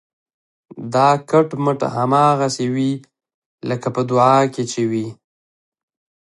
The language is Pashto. دا کټ مټ هماغسې وي لکه په دعا کې چې وي.